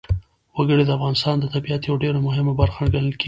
وګړي د افغانستان د طبیعت یوه ډېره مهمه برخه ګڼل کېږي.